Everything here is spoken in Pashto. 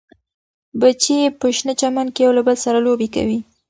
بچي یې په شنه چمن کې یو له بل سره لوبې کوي.